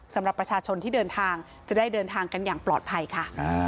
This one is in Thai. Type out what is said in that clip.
สำหรับประชาชนที่เดินทางจะได้เดินทางกันอย่างปลอดภัยค่ะ